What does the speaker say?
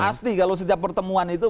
pasti kalau setiap pertemuan itu